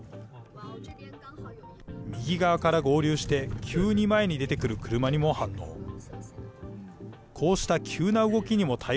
右側から合流して、急に前に出てくる車にも反応。